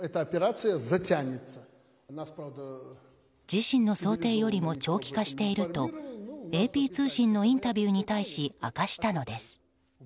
自身の想定よりも長期化しているとＡＰ通信のインタビューに対し明かしたのです。